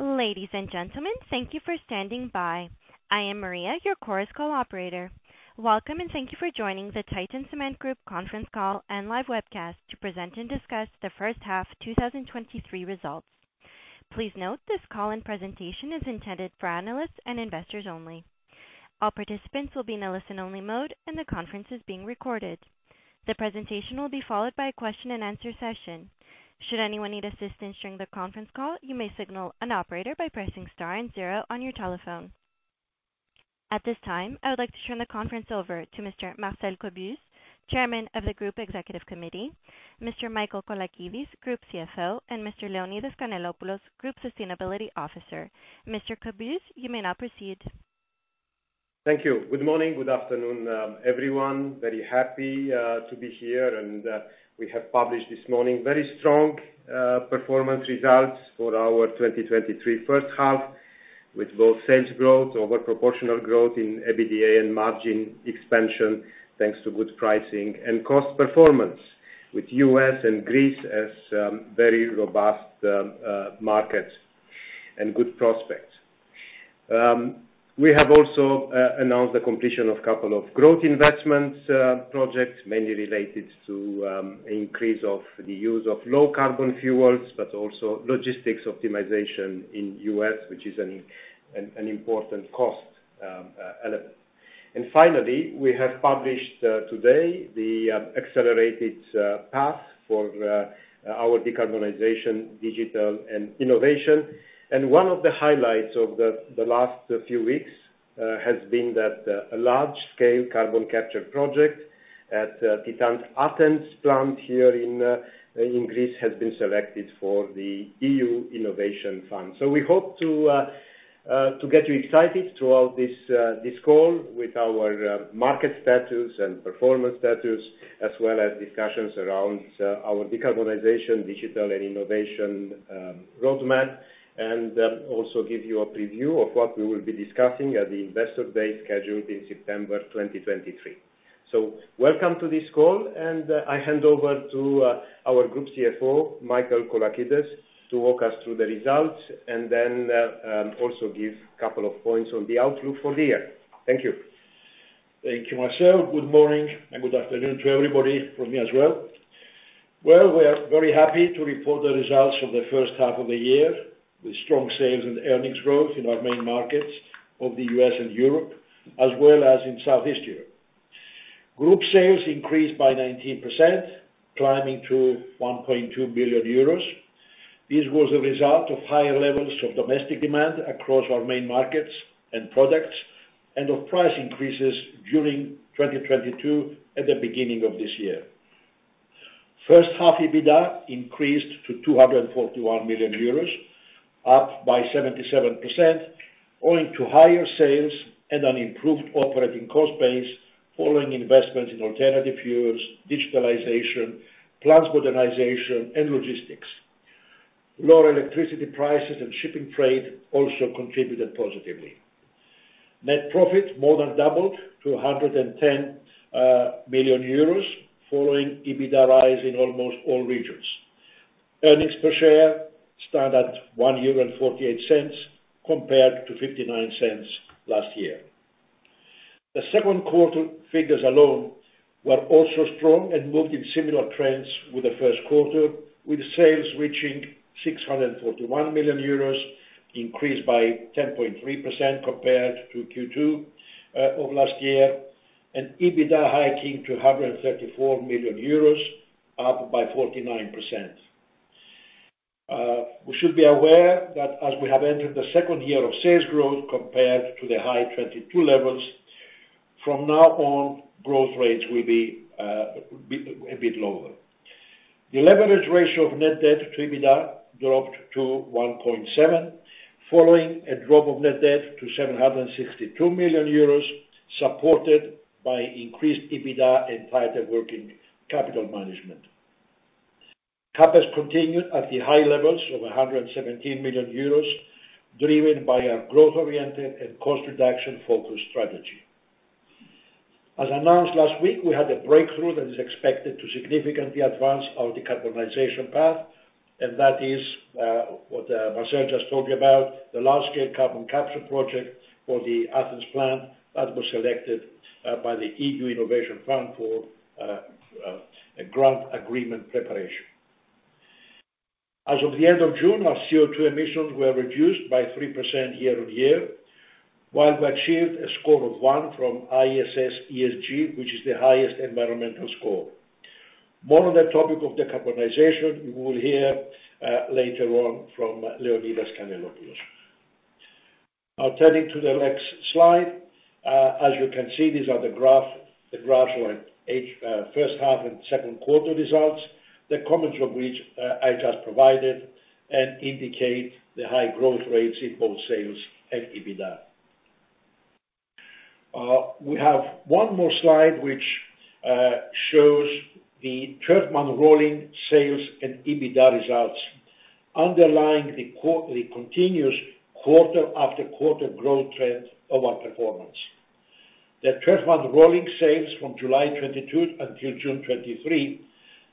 Ladies and gentlemen, thank you for standing by. I am Maria, your Chorus call operator. Welcome, thank you for joining the Titan Cement Group conference call and live webcast to present and discuss the first half 2023 results. Please note, this call and presentation is intended for analysts and investors only. All participants will be in a listen-only mode, the conference is being recorded. The presentation will be followed by a question-and-answer session. Should anyone need assistance during the conference call, you may signal an operator by pressing star and zero on your telephone. At this time, I would like to turn the conference over to Mr. Marcel Cobuz, Chairman of the Group Executive Committee, Mr. Michael Colakides, Group CFO, and Mr. Leonidas Kanellopoulos, Group Sustainability Officer. Mr. Cobuz, you may now proceed. Thank you. Good morning. Good afternoon, everyone. Very happy to be here, we have published this morning very strong performance results for our 2023 first half, with both sales growth, over proportional growth in EBITDA and margin expansion, thanks to good pricing and cost performance, with US and Greece as very robust markets and good prospects. We have also announced the completion of couple of growth investments, projects, mainly related to increase of the use of low carbon fuels, but also logistics optimization in US, which is an important cost element. Finally, we have published today the accelerated path for our decarbonization, digitalization, and innovation. One of the highlights of the last few weeks has been that a large-scale carbon capture project at Titan's Athens plant here in Greece has been selected for the EU Innovation Fund. We hope to get you excited throughout this call with our market status and performance status, as well as discussions around our decarbonization, digital, and innovation roadmap, and also give you a preview of what we will be discussing at the Investor Day scheduled for September 2023. Welcome to this call. I hand over to our Group CFO, Michael Colakides, to walk us through the results and then also give a couple of points on the outlook for the year. Thank you. Thank you, Marcel. Good morning and good afternoon to everybody from me as well. We are very happy to report the results for the first half of the year, with strong sales and earnings growth in our main markets of the U.S. and Europe, as well as in Southeast Europe. Group sales increased by 19%, climbing to 1.2 billion euros. This was a result of higher levels of domestic demand across our main markets and products, and of price increases during 2022 and at the beginning of this year. First half, EBITDA increased to 241 million euros, up by 77%, owing to higher sales and an improved operating cost base, following investments in alternative fuels, digitalization, plant modernization, and logistics. Lower electricity prices and shipping trade also contributed positively. Net profit more than doubled to 110 million euros, following EBITDA rise in almost all regions. Earnings per share stand at 1.48 euro, compared to 0.59 last year. The second quarter figures alone were also strong and moved in similar trends with the first quarter, with sales reaching 641 million euros, increased by 10.3% compared to Q2 of last year, and EBITDA hiking to 134 million euros, up by 49%. We should be aware that as we have entered the second year of sales growth compared to the high 2022 levels, from now on, growth rates will be a bit lower. The leverage ratio of net debt to EBITDA dropped to 1.7, following a reduction of net debt to 762 million euros, supported by increased EBITDA and tighter working capital management. CapEx continued at the high levels of 117 million euros, driven by our growth-oriented and cost reduction-focused strategy. As announced last week, we had a breakthrough that is expected to significantly advance our decarbonization path, and that is what Marcel just talked about, the large-scale carbon capture project for the Athens plant. That was selected by the EU Innovation Fund for a grant agreement preparation. As of the end of June, our CO2 emissions were reduced by 3% year-over-year, while we achieved a score of 1 from ISS ESG, which is the highest environmental score. More on the topic of decarbonization, you will hear later on from Leonidas Kanellopoulos. Turning to the next slide. As you can see, these are the graphs for first half and second quarter results, the comments of which I just provided, and indicate the high growth rates in both sales and EBITDA. We have one more slide, which shows the 12-month rolling sales and EBITDA results, underlying the continuous quarter-after-quarter growth trend of our performance. The 12-month rolling sales from July 2022 until June 2023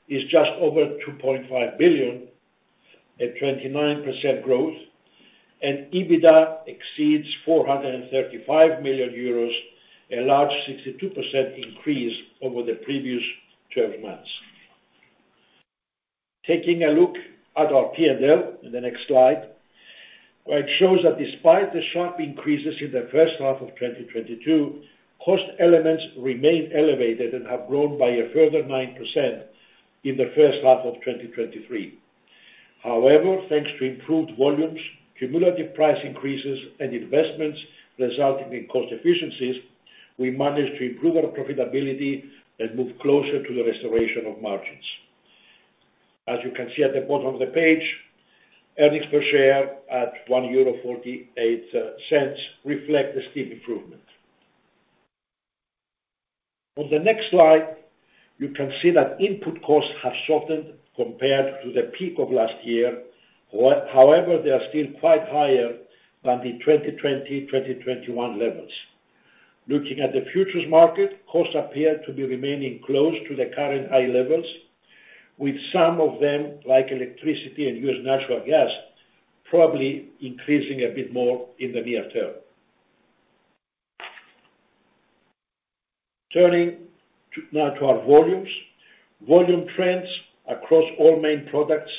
is just over 2.5 billion, a 29% growth, and EBITDA exceeds 435 million euros, a large 62% increase over the previous 12 months. Taking a look at our P&L in the next slide, where it shows that despite the sharp increases in the first half of 2022, cost elements remain elevated and have grown by a further 9% in the first half of 2023. Thanks to improved volumes, cumulative price increases and investments resulting in cost efficiencies, we managed to improve our profitability and move closer to the restoration of margins. As you can see at the bottom of the page, earnings per share at 1.48 euro reflect a steep improvement. On the next slide, you can see that input costs have softened compared to the peak of last year. They are still quite higher than the 2020 and 2021 levels. Looking at the futures market, costs appear to be remaining close to the current high levels, with some of them, like electricity and US natural gas, probably increasing a bit more in the near term. Now to our volumes. Volume trends across all main products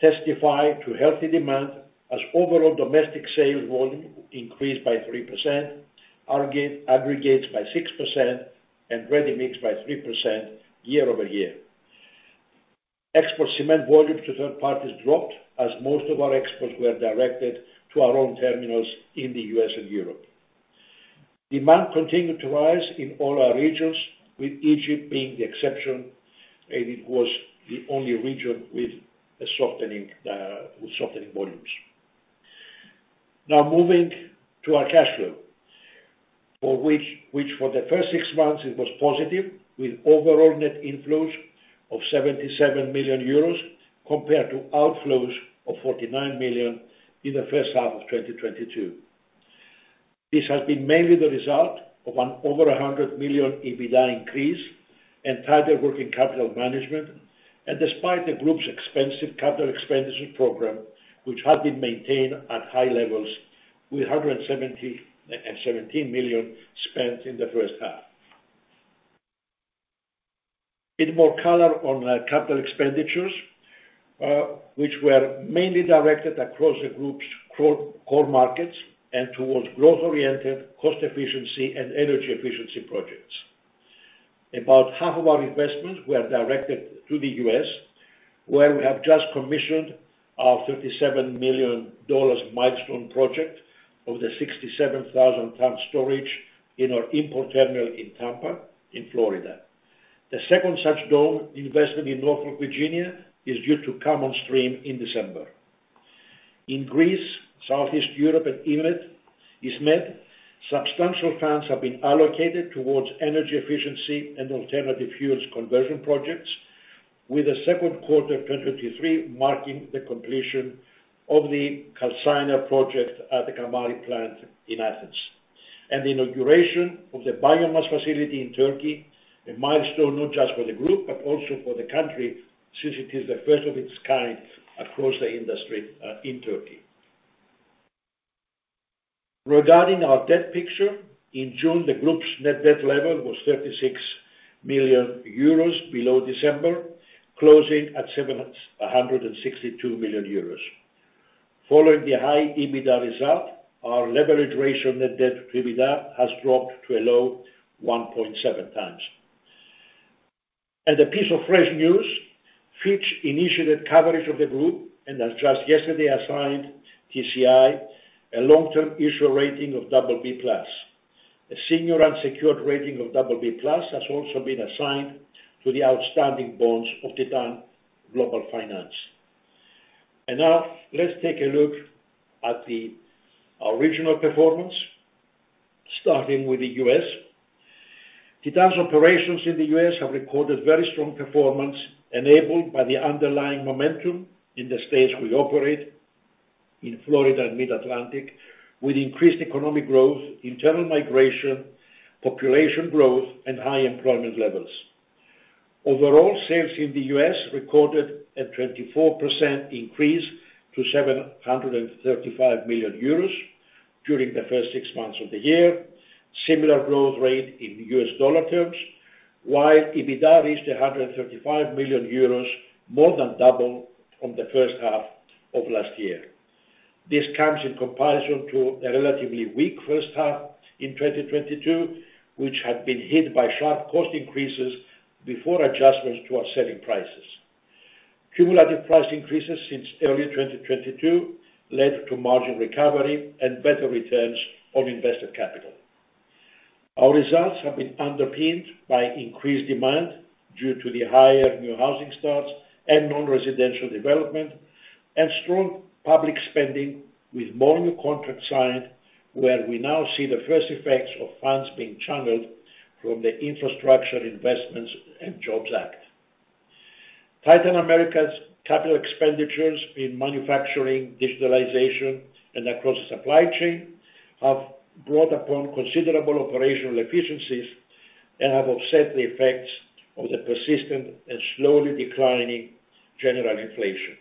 testify to healthy demand as overall domestic sales volume increased by 3%, aggregates by 6%, and ready-mix by 3% year-over-year. Export cement volumes to third parties dropped, as most of our exports were directed to our own terminals in the US and Europe. Demand continued to rise in all our regions, with Egypt being the exception, and it was the only region with softening volumes. Moving to our cash flow: for the first six months it was positive, with overall net inflows of 77 million euros, compared to outflows of 49 million in the first half of 2022. This has been mainly the result of an over 100 million EBITDA increase and tighter working capital management, despite the group's expensive CapEx program, which has been maintained at high levels with 170 million and 17 million spent in the first half. A bit more color on the capital expenditures, which were mainly directed across the group's core markets and towards growth-oriented cost efficiency and energy efficiency projects. About half of our investments were directed to the U.S., where we have just commissioned our 37 million dollars milestone project of the 67,000 ton-storage in our import terminal in Tampa, Florida. The second such dome investment in Norfolk, Virginia, is due to come on stream in December. In Greece, Southeast Europe and EMED, ISMED, substantial funds have been allocated towards energy efficiency and alternative fuels conversion projects, with the second quarter of 2023 marking the completion of the calciner project at the Kamari plant in Athens. The inauguration of the biomass facility in Turkey, a milestone not just for the group, but also for the country, since it is the first of its kind across the industry in Turkey. Regarding our debt picture, in June, the group's net debt level was 36 million euros below December, closing at 762 million euros. Following the high EBITDA result, our leverage ratio, net debt to EBITDA has dropped to a low 1.7 times. As a piece of fresh news, Fitch initiated coverage of the group, just yesterday assigned TCI a long-term issuer rating of BB+. A senior unsecured rating of BB+ has also been assigned to the outstanding bonds of Titan Global Finance. Now, let's take a look at the original performance, starting with the U.S. Titan's operations in the U.S. have recorded very strong performance, enabled by the underlying momentum in the states we operate, in Florida and Mid-Atlantic, with increased economic growth, internal migration, population growth and high employment levels. Overall, sales in the U.S. recorded a 24% increase to 735 million euros during the first six months of the year. Similar growth rate in U.S. dollar terms, while EBITDA reached 135 million euros, more than double from the first half of last year. This comes in comparison to a relatively weak first half in 2022, which had been hit by sharp cost increases before adjustments to our selling prices. Cumulative price increases since early 2022 led to margin recovery and better returns on invested capital. Our results have been underpinned by increased demand due to the higher new housing starts and non-residential development, and strong public spending with more new contracts signed, where we now see the first effects of funds being channeled from the Infrastructure Investment and Jobs Act. Titan America's capital expenditures in manufacturing, digitalization, and across the supply chain, have brought upon considerable operational efficiencies and have offset the effects of the persistent and slowly declining general inflation.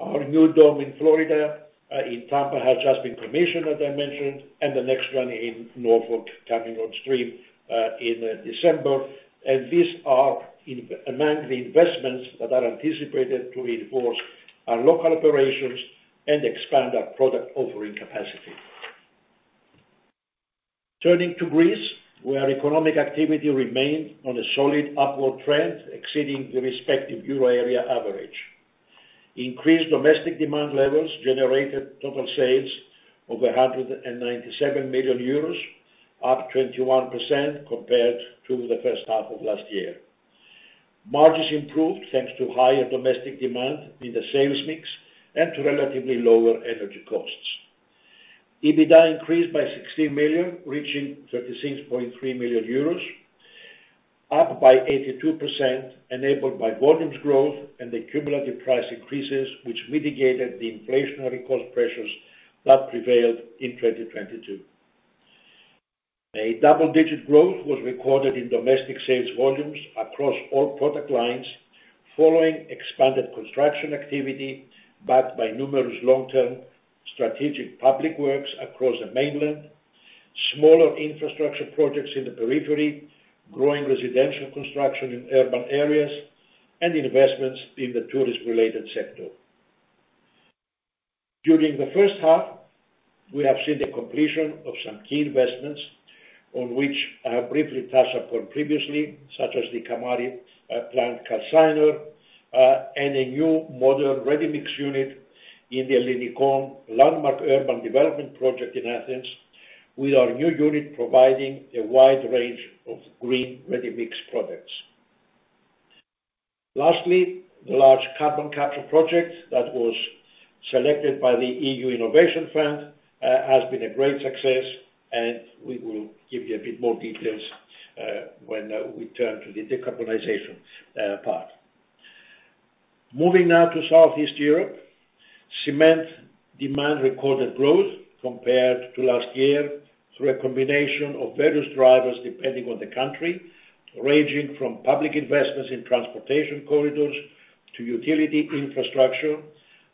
Our new dome in Florida, in Tampa, has just been commissioned, as I mentioned, and the next one in Norfolk coming on stream, in December. These are among the investments that are anticipated to reinforce our local operations and expand our product offering capacity. Turning to Greece, where economic activity remained on a solid upward trend, exceeding the respective euro area average. Increased domestic demand levels generated total sales over 197 million euros, up 21% compared to the first half of last year. Margins improved, thanks to higher domestic demand in the sales mix and to relatively lower energy costs. EBITDA increased by 16 million, reaching 36.3 million euros, up by 82%, enabled by volumes growth and the cumulative price increases, which mitigated the inflationary cost pressures that prevailed in 2022. A double-digit growth was recorded in domestic sales volumes across all product lines, following expanded construction activity, backed by numerous long-term strategic public works across the mainland, smaller infrastructure projects in the periphery, growing residential construction in urban areas, and investments in the tourist-related sector. During the first half, we have seen the completion of some key investments on which I briefly touched upon previously, such as the Kamari plant calciner and a new modern ready-mix unit in the Ellinikon Landmark Urban Development Project in Athens, with our new unit providing a wide range of green ready-mix products. Lastly, the large carbon capture project that was selected by the EU Innovation Fund has been a great success, and we will give you a bit more details when we turn to the decarbonization part. Moving now to Southeast Europe, cement demand recorded growth compared to last year through a combination of various drivers depending on the country, ranging from public investments in transportation corridors to utility infrastructure,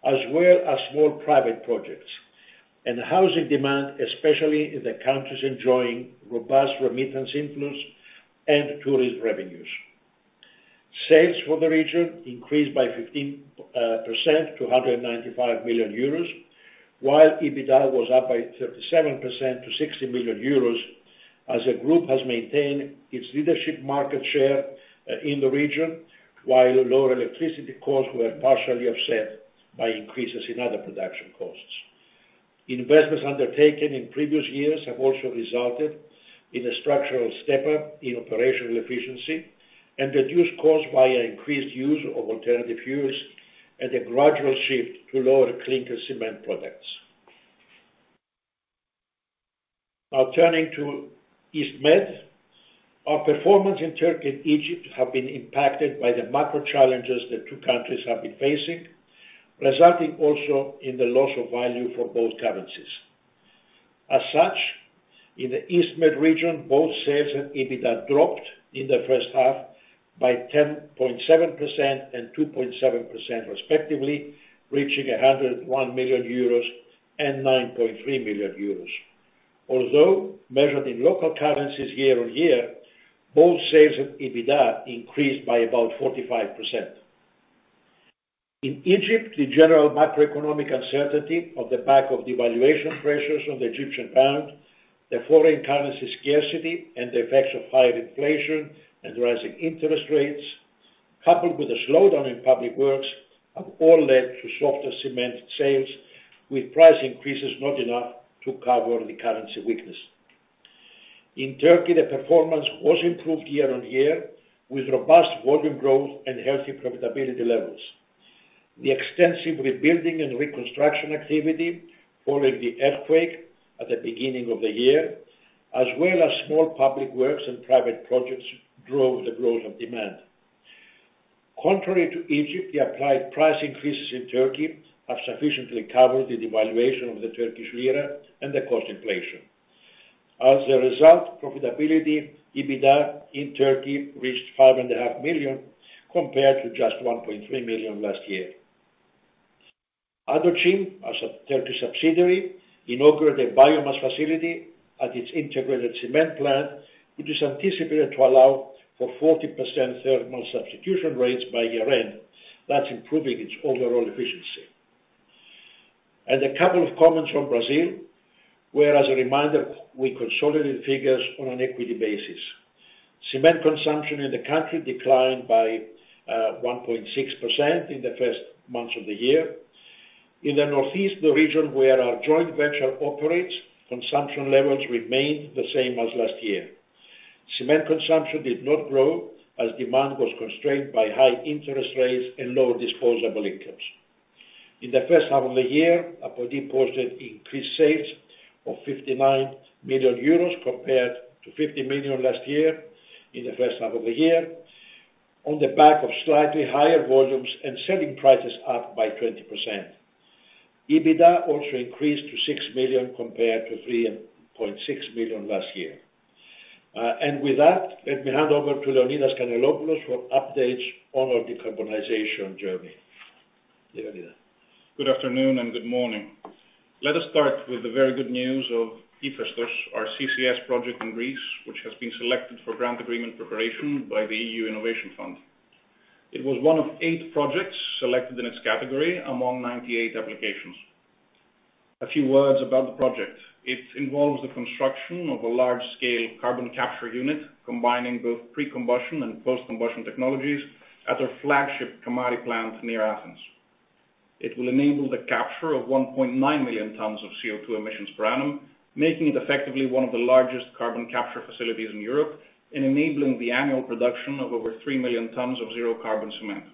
as well as small private projects and housing demand, especially in the countries enjoying robust remittance influence and tourist revenues. Sales for the region increased by 15% to 195 million euros, while EBITDA was up by 37% to 60 million euros, as the group has maintained its leadership market share in the region, while lower electricity costs were partially offset by increases in other production costs. Investments undertaken in previous years have also resulted in a structural step up in operational efficiency and reduced costs by an increased use of alternative fuels and a gradual shift to lower clinker cement products. Now, turning to East Med, our performance in Turkey and Egypt have been impacted by the macro challenges the two countries have been facing, resulting also in the loss of value for both currencies. As such, in the East Med region, both sales and EBITDA dropped in the first half by 10.7% and 2.7% respectively, reaching 101 million euros and 9.3 million euros. Although, measured in local currencies year-on-year, both sales and EBITDA increased by about 45%. In Egypt, the general macroeconomic uncertainty on the back of devaluation pressures on the Egyptian pound, the foreign currency scarcity, and the effects of higher inflation and rising interest rates, coupled with a slowdown in public works, have all led to softer cement sales, with price increases not enough to cover the currency weakness. In Turkey, the performance was improved year-over-year, with robust volume growth and healthy profitability levels. The extensive rebuilding and reconstruction activity following the earthquake at the beginning of the year, as well as small public works and private projects, drove the growth of demand. Contrary to Egypt, the applied price increases in Turkey have sufficiently covered the devaluation of the Turkish lira and the cost inflation. As a result, profitability, EBITDA in Turkey reached 5.5 million, compared to just 1.3 million last year. Adocim, our Turkey subsidiary, inaugurated a biomass facility at its integrated cement plant, which is anticipated to allow for 40% thermal substitution rates by year-end. That's improving its overall efficiency. A couple of comments from Brazil, where, as a reminder, we consolidated figures on an equity basis. Cement consumption in the country declined by 1.6% in the first months of the year. In the northeast, the region where our joint venture operates, consumption levels remained the same as last year. Cement consumption did not grow, as demand was constrained by high interest rates and low disposable incomes. In the first half of the year, Apodi posted increased sales of 59 million euros compared to 50 million last year in the first half of the year, on the back of slightly higher volumes and selling prices up by 20%. EBITDA also increased to 6 million compared to 3.6 million last year. With that, let me hand over to Leonidas Kanellopoulos for updates on our decarbonization journey. Leonidas. Good afternoon and good morning. Let us start with the very good news of IFESTOS, our CCS project in Greece, which has been selected for grant agreement preparation by the Innovation Fund. It was one of eight projects selected in its category among 98 applications. A few words about the project. It involves the construction of a large-scale carbon capture unit, combining both pre-combustion and post-combustion technologies at our flagship Kamari plant near Athens. It will enable the capture of 1.9 million tons of CO2 emissions per annum, making it effectively one of the largest carbon capture facilities in Europe and enabling the annual production of over 3 million tons of zero carbon cement.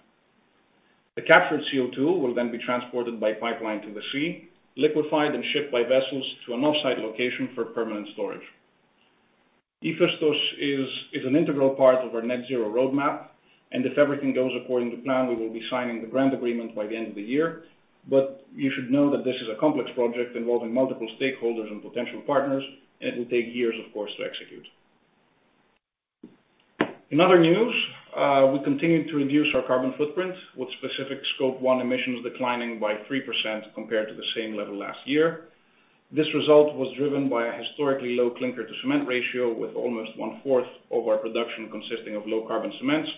The captured CO2 will be transported by pipeline to the sea, liquefied and shipped by vessels to an off-site location for permanent storage. IFESTOS is an integral part of our net-zero roadmap, if everything goes according to plan, we will be signing the grant agreement by the end of the year. You should know that this is a complex project involving multiple stakeholders and potential partners, it will take years, of course, to execute. In other news, we continued to reduce our carbon footprint, with specific Scope 1 emissions declining by 3% compared to the same level last year. This result was driven by a historically low clinker-to-cement ratio, with almost one-fourth of our production consisting of low-carbon cements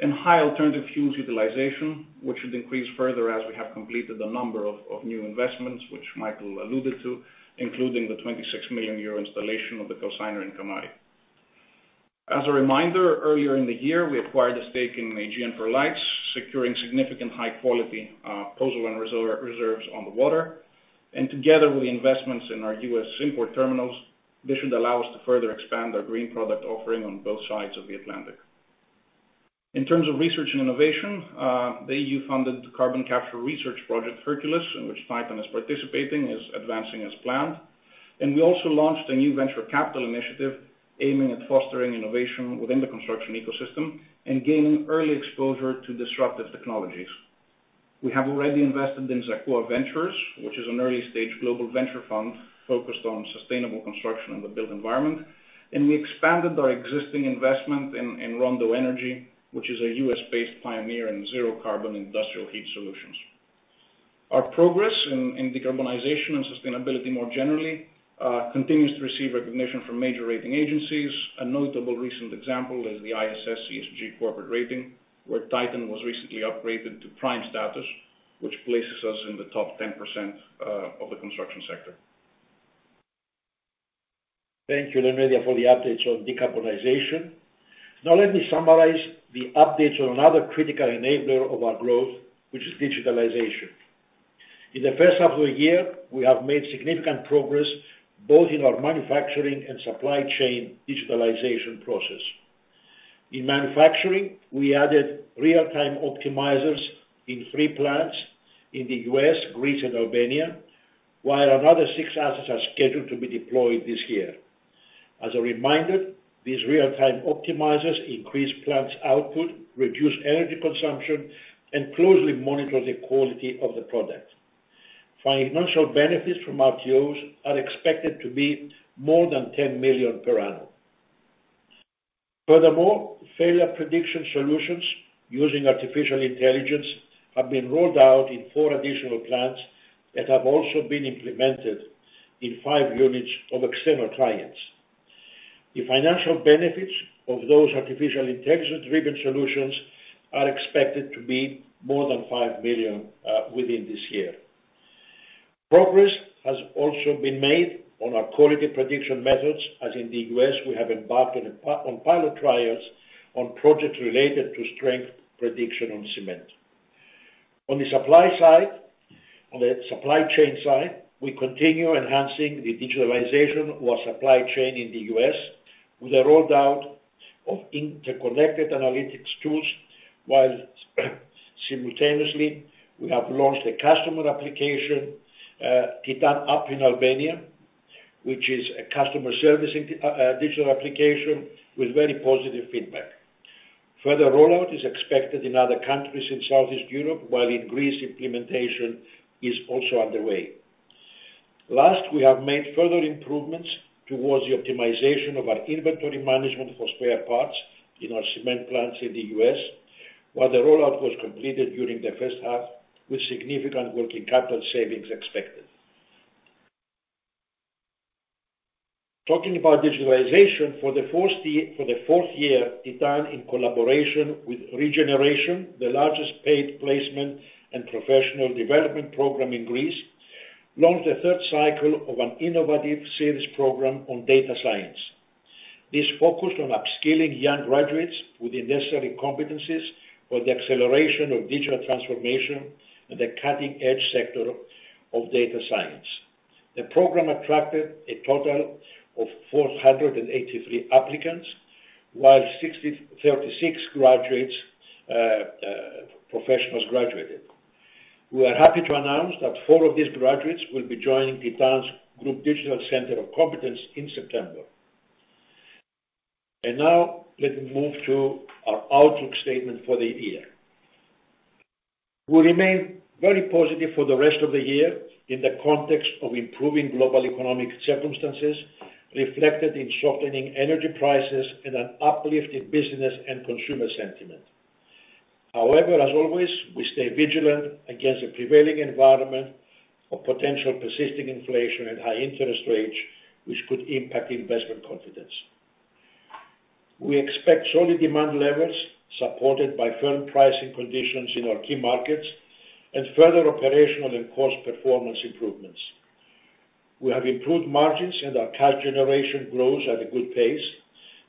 and high alternative fuels utilization, which should increase further as we have completed a number of new investments, which Michael alluded to, including the 26 million euro installation of the calciner in Kamari. As a reminder, earlier in the year, we acquired a stake in Aegean Perlites, securing significant high-quality pozzolana reserves on the water. Together with the investments in our U.S. import terminals, this should allow us to further expand our green product offering on both sides of the Atlantic. In terms of research and innovation, the EU-funded carbon capture research project, HERCCULES, in which Titan is participating, is advancing as planned. We also launched a new venture capital initiative aiming at fostering innovation within the construction ecosystem and gaining early exposure to disruptive technologies. We have already invested in Zacua Ventures, which is an early-stage global venture fund focused on sustainable construction and the build environment, and we expanded our existing investment in Rondo Energy, which is a U.S.-based pioneer in zero carbon industrial heat solutions. Our progress in decarbonization and sustainability more generally, continues to receive recognition from major rating agencies. A notable recent example is the ISS ESG corporate rating, where Titan was recently upgraded to prime status, which places us in the top 10% of the construction sector. Thank you, Leonidas, for the updates on decarbonization. Let me summarize the updates on another critical enabler of our growth, which is digitalization. In the first half of the year, we have made significant progress both in our manufacturing and supply chain digitalization process. In manufacturing, we added real-time optimizers in three plants in the US, Greece, and Albania, while another six assets are scheduled to be deployed this year. As a reminder, these real-time optimizers increase plant output, reduce energy consumption, and closely monitor the quality of the product. Financial benefits from RTOs are expected to be more than 10 million per annum. Furthermore, failure prediction solutions using artificial intelligence have been rolled out in four additional plants that have also been implemented in five units of external clients. The financial benefits of those artificial intelligence-driven solutions are expected to be more than 5 million within this year. Progress has also been made on our quality prediction methods, as in the U.S., we have embarked on pilot trials on projects related to strength prediction on cement. On the supply chain side, we continue enhancing the digitalization of our supply chain in the U.S. with the rollout of interconnected analytics tools, while simultaneously, we have launched a customer application, Titan App in Albania, which is a customer servicing digital application with very positive feedback. Further rollout is expected in other countries in Southeast Europe, while in Greece, implementation is also underway. Last, we have made further improvements towards the optimization of our inventory management for spare parts in our cement plants in the U.S., while the rollout was completed during the first half, with significant working capital savings expected. Talking about digitalization for the fourth year, Titan, in collaboration with ReGeneration, the largest paid placement and professional development program in Greece, launched a third cycle of an innovative sales program on data science. This focused on upskilling young graduates with the necessary competencies for the acceleration of digital transformation and the cutting-edge sector of data science. The program attracted a total of 483 applicants, while 36 graduates, professionals graduated. We are happy to announce that 4 of these graduates will be joining Titan's Group Digital Center of Competence in September. Now let me move to our outlook statement for the year. We remain very positive for the rest of the year in the context of improving global economic circumstances, reflected in softening energy prices and an uplift in business and consumer sentiment. However, as always, we stay vigilant against the prevailing environment of potential persisting inflation and high interest rates, which could impact investment confidence. We expect solid demand levels, supported by firm pricing conditions in our key markets and further operational and cost performance improvements. We have improved margins, and our cash generation grows at a good pace.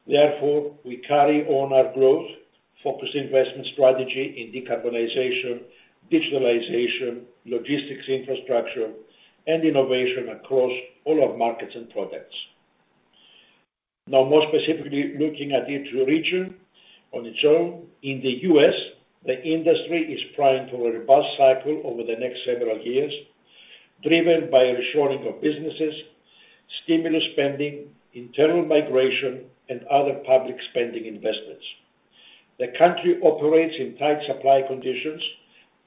Therefore, we carry on our growth-focused investment strategy in decarbonization, digitalization, logistics infrastructure, and innovation across all our markets and products. Now, more specifically, looking at each region on its own. In the U.S., the industry is primed for a robust cycle over the next several years, driven by reshoring of businesses, stimulus spending, internal migration, and other public spending investments. The country operates in tight supply conditions,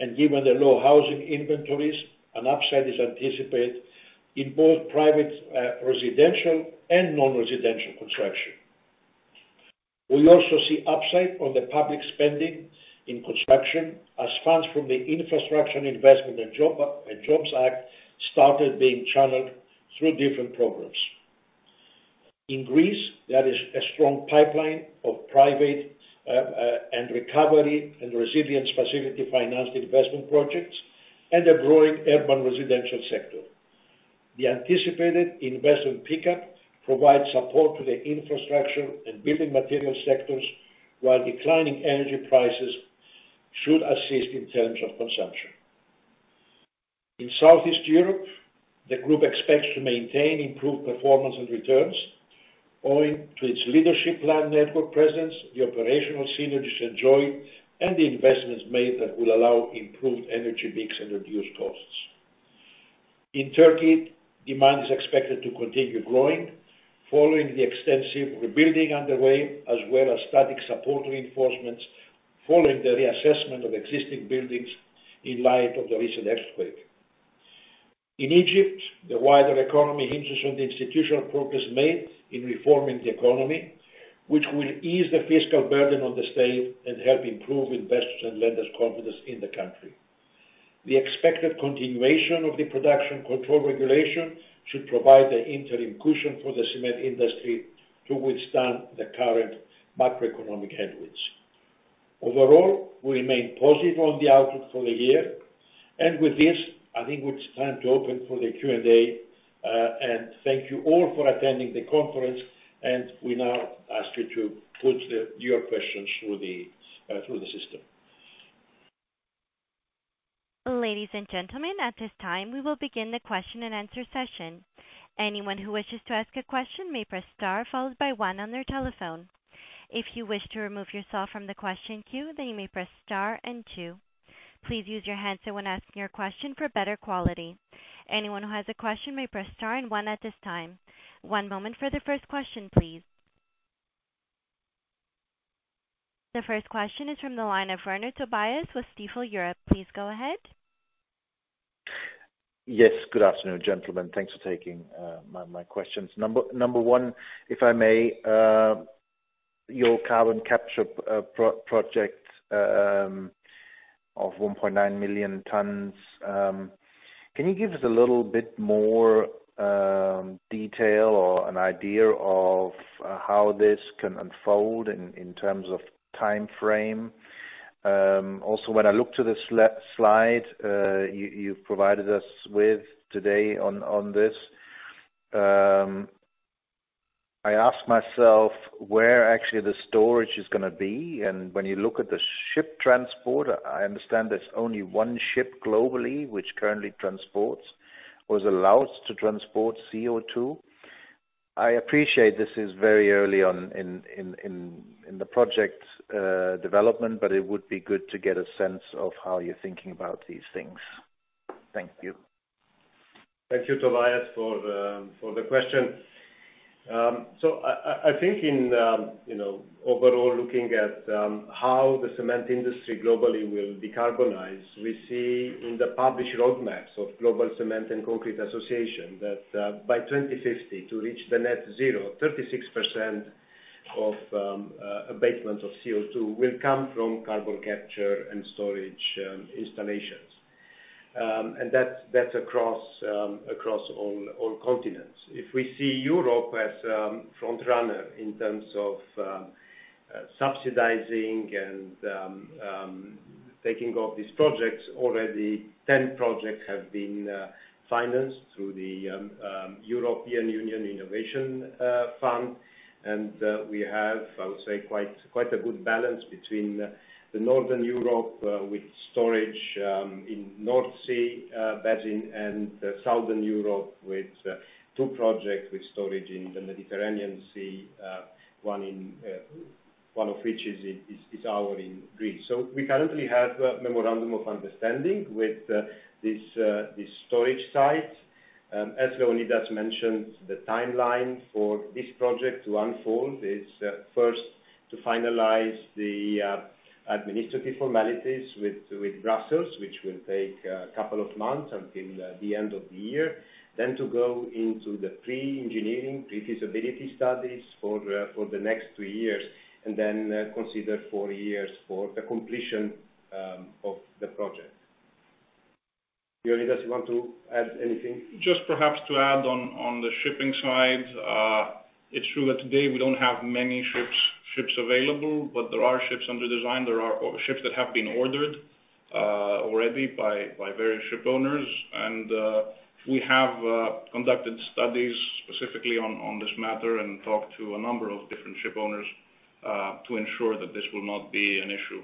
and given the low housing inventories, an upside is anticipated in both private residential and non-residential construction. We also see upside on the public spending in construction, as funds from the Infrastructure Investment and Jobs Act started being channeled through different programs. In Greece, there is a strong pipeline of private and Recovery and Resilience-specific financed investment projects and a growing urban residential sector. The anticipated investment pickup provides support to the infrastructure and building material sectors, while declining energy prices should assist in terms of consumption. In Southeast Europe, the group expects to maintain improved performance and returns owing to its leadership plan, network presence, the operational synergies enjoyed, and the investments made that will allow improved energy mix and reduced costs. In Turkey, demand is expected to continue growing following the extensive rebuilding underway, as well as static support reinforcements following the reassessment of existing buildings in light of the recent earthquake. In Egypt, the wider economy hinges on the institutional progress made in reforming the economy, which will ease the fiscal burden on the state and help improve investors' and lenders' confidence in the country. The expected continuation of the production control regulation should provide an interim cushion for the cement industry to withstand the current macroeconomic headwinds. Overall, we remain positive on the outlook for the year, and with this, I think it's time to open for the Q&A. Thank you all for attending the conference, and we now ask you to put your questions through the system. Ladies and gentlemen, at this time, we will begin the question-and-answer session. Anyone who wishes to ask a question may press star, followed by one on their telephone. If you wish to remove yourself from the question queue, you may press star and two. Please use your headset when asking your question for better quality. Anyone who has a question may press star and one at this time. One moment for the first question, please. The first question is from the line of Tobias Woerner with Stifel Europe. Please go ahead. Yes, good afternoon, gentlemen. Thanks for taking my questions. Number one, if I may, your carbon capture project of 1.9 million tons. Can you give us a little bit more detail or an idea of how this can unfold in terms of timeframe? Also, when I look to the slide you've provided us with today on this, I ask myself where actually the storage is gonna be. When you look at the ship transport, I understand there's only one ship globally which currently transports or is allowed to transport CO2. I appreciate this is very early on in the project development, but it would be good to get a sense of how you're thinking about these things. Thank you. Thank you, Tobias, for the question. I think in, you know, overall, looking at how the cement industry globally will decarbonize, we see in the published roadmaps of Global Cement and Concrete Association that by 2050, to reach the net-zero, 36% of abatements of CO2 will come from carbon capture and storage installations. And that's, that's across all, all continents. If we see Europe as a frontrunner in terms of subsidizing and taking off these projects, already 10 projects have been financed through the. European Union Innovation Fund. We have, I would say, quite a good balance between the Northern Europe, with storage in North Sea basin and Southern Europe, with two projects with storage in the Mediterranean Sea. One in, one of which is our in Greece. We currently have a memorandum of understanding with this storage site. As Leonidas mentioned, the timeline for this project to unfold is first, to finalize the administrative formalities with Brussels, which will take a couple of months until the end of the year. to go into the pre-engineering, pre-feasibility studies for the next two years, and then consider four years for the completion of the project. Leonidas, you want to add anything? Just perhaps to add on the shipping side. It's true that today we don't have many ships available, but there are ships under design. There are ships that have been ordered already by various shipowners. We have conducted studies specifically on this matter and talked to a number of different shipowners to ensure that this will not be an issue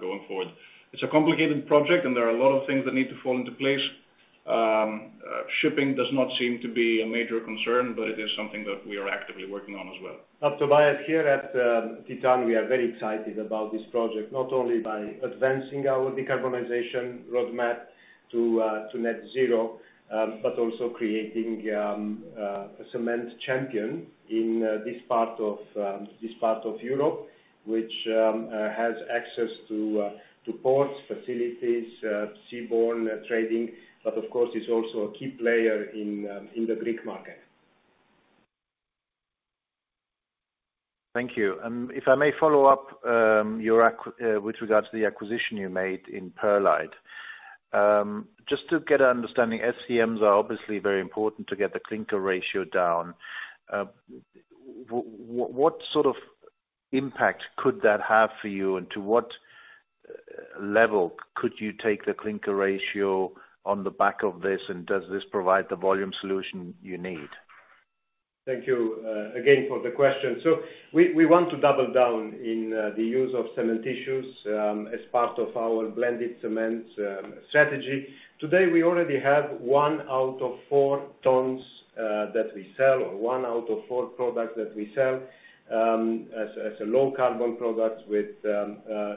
going forward. It's a complicated project, and there are a lot of things that need to fall into place. Shipping does not seem to be a major concern, but it is something that we are actively working on as well. Tobias, here at Titan, we are very excited about this project, not only by advancing our decarbonization roadmap to net-zero, but also creating a cement champion in this part of Europe. Which has access to ports, facilities, seaborne trading, but of course, is also a key player in the Greek market. Thank you. If I may follow up, with regards to the acquisition you made in Perlite. Just to get an understanding, SCMs are obviously very important to get the clinker ratio down. What sort of impact could that have for you, and to what level could you take the clinker ratio on the back of this, and does this provide the volume solution you need? Thank you again for the question. We want to double down in the use of cementitious as part of our blended cements strategy. Today, we already have one out of four tons that we sell, or one out of four products that we sell as a low carbon product with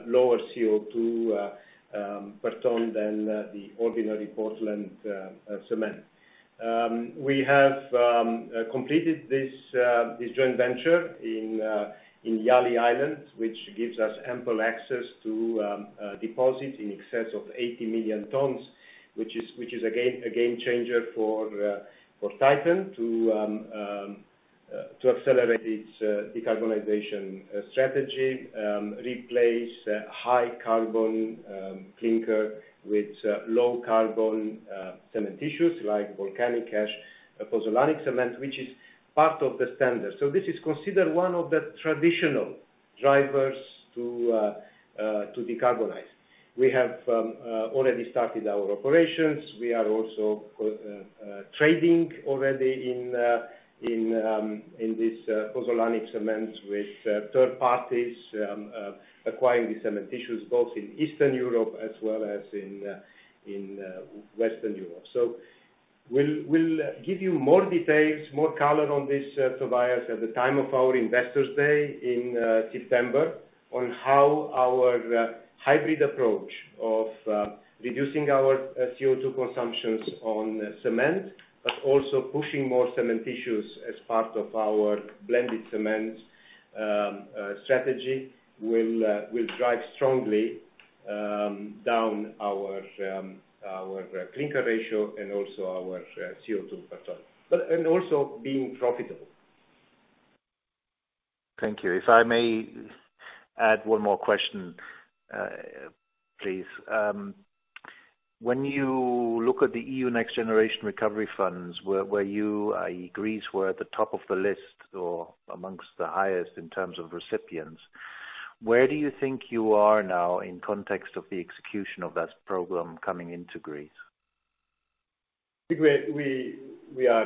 lower CO2 per ton than the ordinary Portland cement. We have completed this joint venture in Yali Island, which gives us ample access to deposits in excess of 80 million tons, which is a game changer for Titan to accelerate its decarbonization strategy. Replace high carbon clinker with low carbon cementitious, like volcanic ash, pozzolanic cement, which is part of the standard. This is considered one of the traditional drivers to decarbonize. We have already started our operations. We are also trading already in this pozzolanic cement with third parties acquiring the cementitious both in Eastern Europe as well as in Western Europe. We'll give you more details, more color on this, Tobias, at the time of our Investor Day in September, on how our hybrid approach of reducing our CO2 emissions on cement, also pushing more cementitious as part of our blended cements strategy, will drive strongly down our clinker ratio and also our CO2 per ton, and also being profitable. Thank you. If I may add one more question, please. When you look at the EU Next Generation recovery funds, where, were you, Greece were at the top of the list or amongst the highest in terms of recipients? Where do you think you are now in context of the execution of that program coming into Greece? We are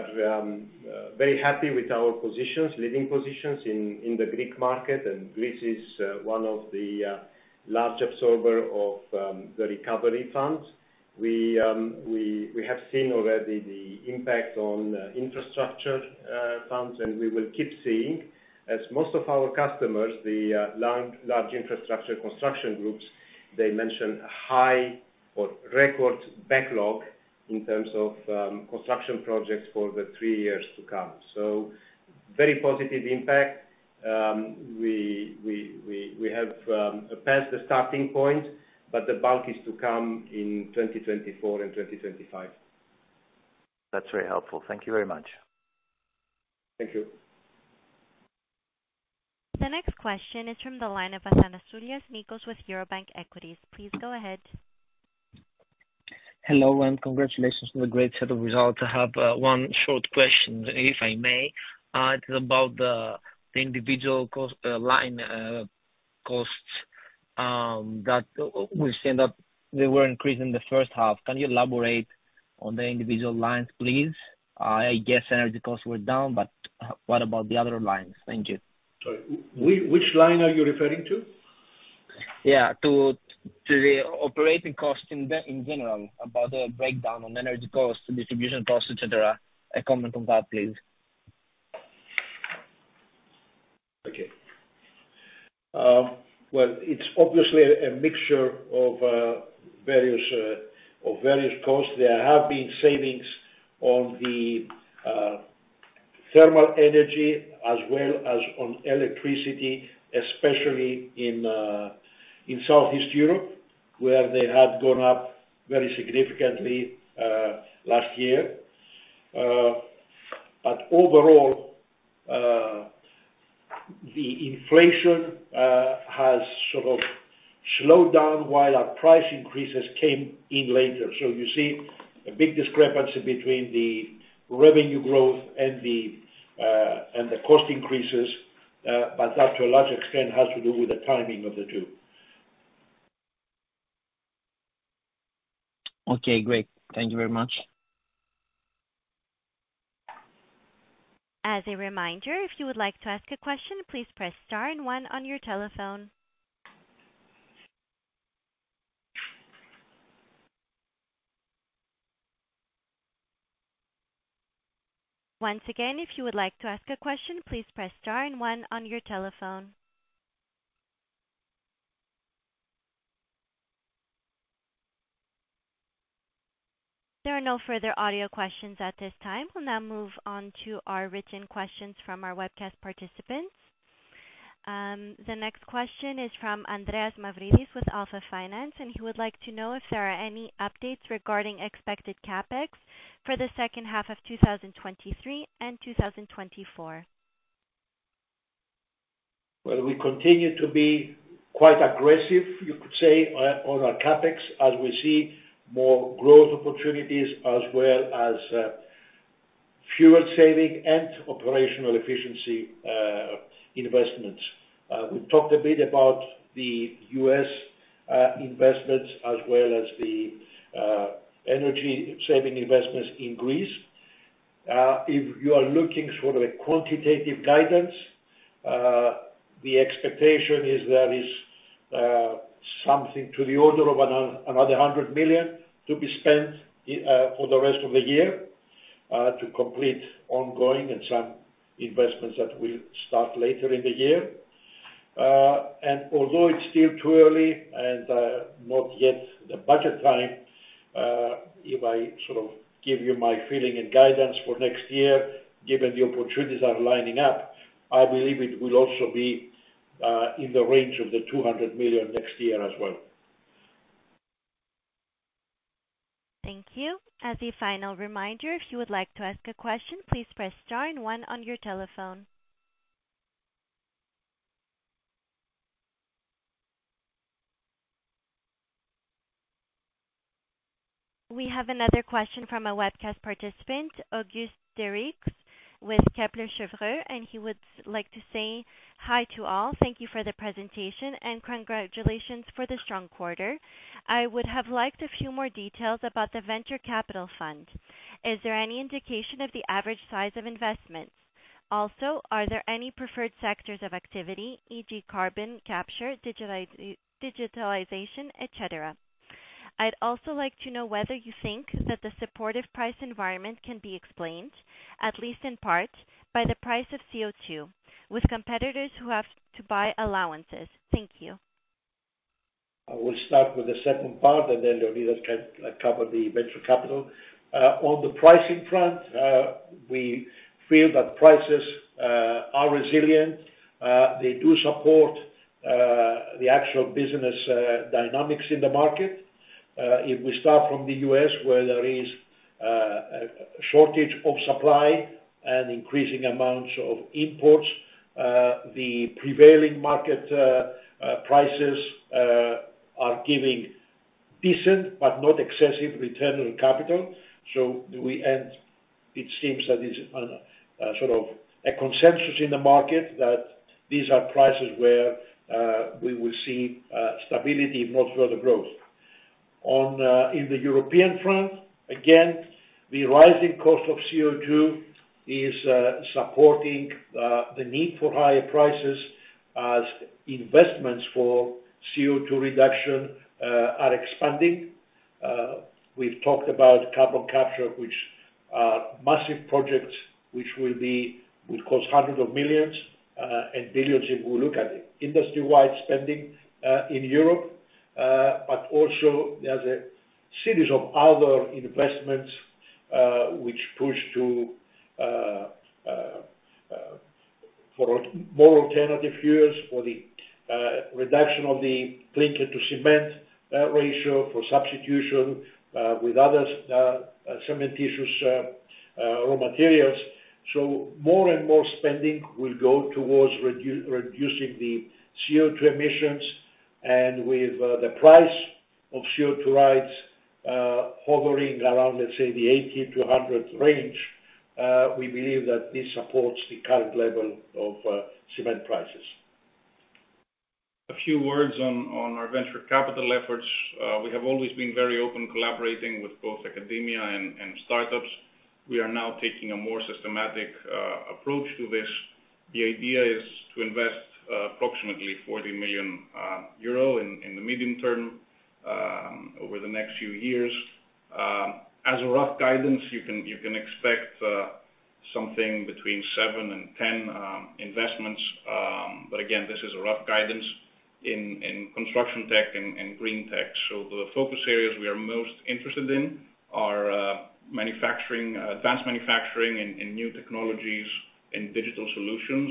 very happy with our positions, leading positions in the Greek market. Greece is one of the large absorbers of the recovery funds. We have seen already the impact on infrastructure funds, and we will keep seeing, as most of our customers, the large infrastructure construction groups, they mention a high or record backlog in terms of construction projects for the three years to come. Very positive impact. We have passed the starting point, but the bulk is to come in 2024 and 2025. That's very helpful. Thank you very much. Thank you. The next question is from the line of Athanasios Nikas with Eurobank Equities. Please go ahead. Hello, congratulations on the great set of results. I have one short question, if I may. It's about the individual cost line costs. We've seen that they were increased in the first half. Can you elaborate on the individual lines, please? I guess energy costs were down, but what about the other lines? Thank you. Sorry, which line are you referring to? Yeah, to the operating costs in general, about the breakdown on energy costs, distribution costs, et cetera. A comment on that, please. Well, it's obviously a mixture of various costs. There have been savings on the thermal energy as well as on electricity, especially in Southeast Europe, where they had gone up very significantly last year. Overall, the inflation has sort of slowed down while our price increases came in later. You see a big discrepancy between the revenue growth and the cost increases, but that, to a large extent, has to do with the timing of the two. Okay, great. Thank you very much. As a reminder, if you would like to ask a question, please press star-one on your telephone. Once again, if you would like to ask a question, please press star-one on your telephone. There are no further audio questions at this time. We'll now move on to our written questions from our webcast participants. The next question is from Andreas Mavridis, with Alpha Finance, and he would like to know if there are any updates regarding expected CapEx for the second half of 2023 and 2024. Well, we continue to be quite aggressive, you could say, on our CapEx, as we see more growth opportunities, as well as fuel saving and operational efficiency investments. We talked a bit about the U.S. investments, as well as the energy-saving investments in Greece. If you are looking for a quantitative guidance, the expectation is there is something to the order of another 100 million to be spent for the rest of the year, to complete ongoing and some investments that will start later in the year. Although it's still too early and not yet the budget time, if I sort of give you my feeling and guidance for next year, given the opportunities are lining up, I believe it will also be in the range of 200 million next year as well. Thank you. As a final reminder, if you would like to ask a question, please press star and one on your telephone. We have another question from a webcast participant, Auguste Derigues, with Kepler Cheuvreux, and he would like to say hi to all. Thank you for the presentation, and congratulations for the strong quarter. I would have liked a few more details about the venture capital fund. Is there any indication of the average size of investments? Also, are there any preferred sectors of activity, e.g., carbon capture, digitalization, et cetera? I'd also like to know whether you think that the supportive price environment can be explained, at least in part, by the price of CO2, with competitors who have to buy allowances. Thank you. I will start with the second part. Leonidas can cover the venture capital. On the pricing front, we feel that prices are resilient. They do support the actual business dynamics in the market. If we start from the U.S., where there is a shortage of supply and increasing amounts of imports, the prevailing market prices are giving decent but not excessive return on capital. It seems that it's a sort of a consensus in the market, that these are prices where we will see stability, if not further growth. On in the European front, again, the rising cost of CO2 is supporting the need for higher prices as investments for CO2 reduction are expanding. In carbon capture, which, massive projects, which will be, will cost hundreds of millions, and billions, if we look at industry-wide spending in Europe. But also there's a series of other investments which push to for more alternative fuels, for the reduction of the clinker-to-cement ratio, for substitution with other cementitious raw materials. More and more spending will go towards reducing the CO2 emissions. And with the price of CO2 rights, hovering around, let's say, the 80-100 range, we believe that this supports the current level of cement prices. A few words on our venture capital efforts. We have always been very open, collaborating with both academia and startups. We are now taking a more systematic approach to this. The idea is to invest approximately 40 million euro in the medium term over the next few years. As a rough guidance, you can expect something between 7 and 10 investments. Again, this is a rough guidance in construction tech and green tech. The focus areas we are most interested in are manufacturing, advanced manufacturing and new technologies and digital solutions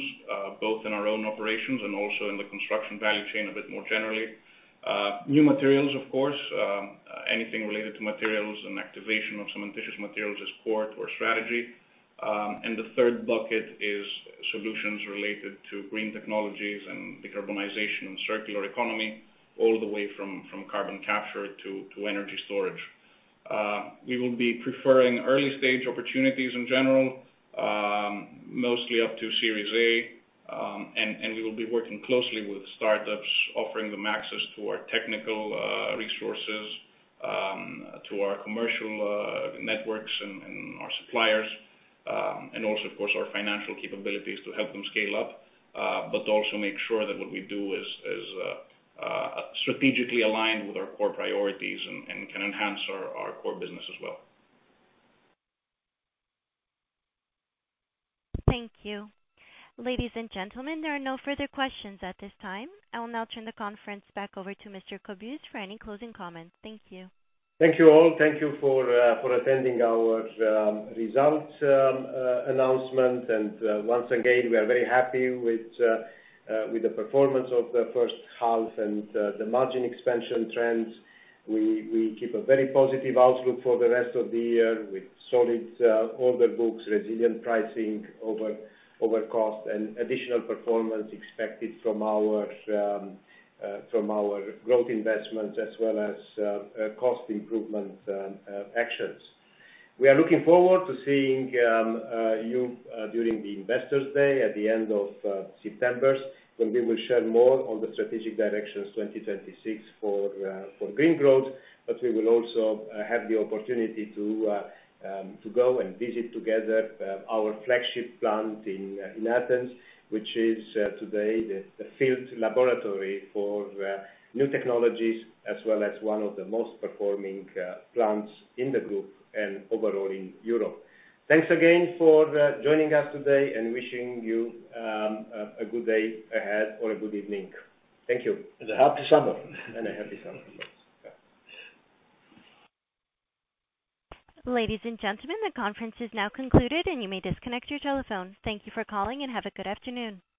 both in our own operations and also in the construction value chain a bit more generally. New materials, of course, anything related to materials and activation of some ambitious materials as port or strategy. The third bucket is solutions related to green technologies and decarbonization and circular economy, all the way from carbon capture to energy storage. We will be preferring early-stage opportunities in general, mostly up to Series A. We will be working closely with startups, offering them access to our technical resources, to our commercial networks and our suppliers, and also, of course, our financial capabilities to help them scale up. Also make sure that what we do is strategically aligned with our core priorities and can enhance our core business as well. Thank you. Ladies and gentlemen, there are no further questions at this time. I will now turn the conference back over to Mr. Cobuz for any closing comments. Thank you. Thank you, all. Thank you for attending our results announcement. Once again, we are very happy with the performance of the first half and the margin expansion trends. We keep a very positive outlook for the rest of the year, with solid order books, resilient pricing over cost, and additional performance expected from our growth investments as well as cost improvement actions. We are looking forward to seeing you during the Investor Day at the end of September, when we will share more on the strategic directions 2026 for green growth. We will also have the opportunity to go and visit together our flagship plant in Athens, which is today the field laboratory for new technologies as well as one of the most performing plants in the group and overall in Europe. Thanks again for joining us today, wishing you a good day ahead or a good evening. Thank you. A happy summer. A happy summer. Yeah. Ladies and gentlemen, the conference is now concluded, and you may disconnect your telephone. Thank you for calling, and have a good afternoon.